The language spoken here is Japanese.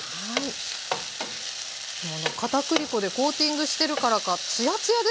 片栗粉でコーティングしてるからかツヤツヤですね。